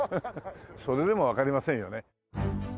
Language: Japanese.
それでもわかりませんよね。